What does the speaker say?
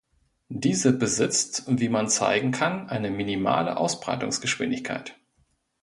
Diese besitzt, wie man zeigen kann, eine minimale Ausbreitungsgeschwindigkeit.